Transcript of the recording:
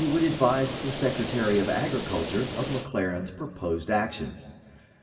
703 would advise the Secretary of Agriculture of McLaren's proposed ac tion.